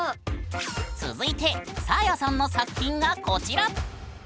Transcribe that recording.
続いてサーヤさんの作品がこちら！